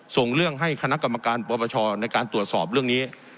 ส่งเรื่องให้คณะกรรมการปปชในการตรวจสอบเรื่องนี้